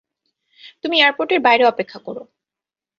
তুমি এয়ারপোর্টের বাইরে অপেক্ষা কোরো।